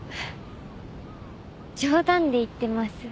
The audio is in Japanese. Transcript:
冗談で言ってます？